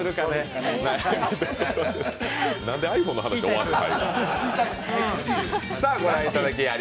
なんでｉＰｈｏｎｅの話で終わるねん。